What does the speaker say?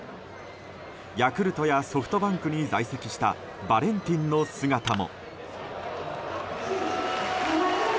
ヤクルトやソフトバンクに在籍したバレンティンの姿も。